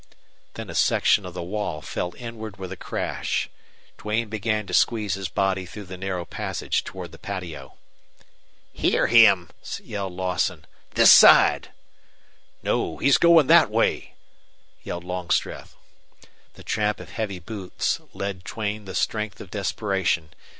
Then a section of the wall fell inward with a crash. Duane began to squeeze his body through the narrow passage toward the patio. "Hear him!" yelled Lawson. "This side!" "No, he's going that way," yelled Longstreth. The tramp of heavy boots lent Duane the strength of desperation.